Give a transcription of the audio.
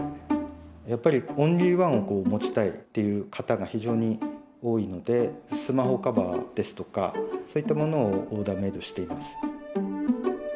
やっぱりオンリーワンを持ちたいっていう方が非常に多いのでスマホカバーですとかそういったものをオーダーメイドしています